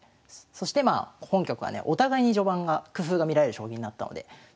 そしてまあ本局はねお互いに序盤が工夫が見られる将棋になったのでそこをね